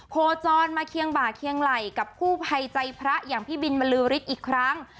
โคจรมาเคียงบ่าเคียงไหล่กับกู้ภัยใจพระอย่างพี่บินบรรลือฤทธิ์อีกครั้ง